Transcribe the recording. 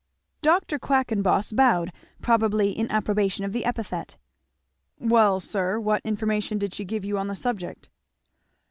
Dr. Quackenboss bowed, probably in approbation of the epithet. "Well sir what information did she give you on the subject?"